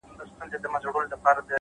د ژوند ارزښت په ګټه رسولو کې دی’